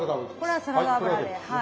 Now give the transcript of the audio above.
これはサラダ油ではい。